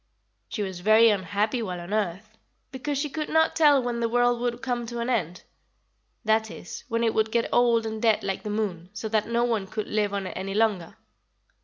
"She was very unhappy while on earth, because she could not tell when the world would come to an end; that is, when it would get old and dead like the moon, so that no one could live on it any longer.